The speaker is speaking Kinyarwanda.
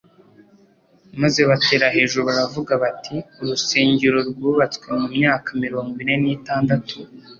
maze batera hejuru, baravuga bati : "Urusengero rwubatswe mu myaka mirongo ine n'itandatu